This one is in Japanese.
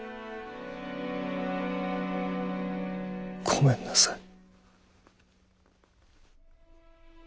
ごめんなさい。